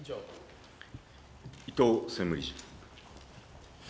伊藤専務理事。